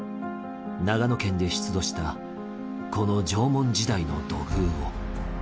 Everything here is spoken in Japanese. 長野県で出土したこの縄文時代の土偶を。